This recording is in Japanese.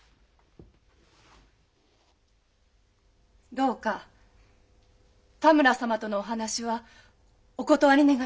どうか多村様とのお話はお断り願います。